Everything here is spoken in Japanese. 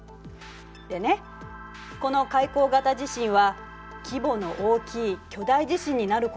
でねこの海溝型地震は規模の大きい巨大地震になることが多いの。